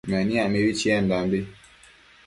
Meniac mibi chiendambi